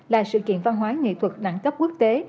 là sự kiện văn hóa nghệ thuật đẳng cấp quốc tế